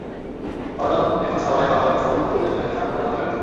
বরং এখন সবাই বাবার প্রসঙ্গে কথা বলতে এলে নাকি স্বাগতার ভালোই লাগছে।